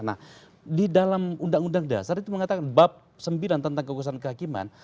nah di dalam undang undang dasar itu mengatakan bab sembilan tentang kekuasaan kehakiman